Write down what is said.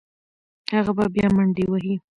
هغه به بیا منډې وهي.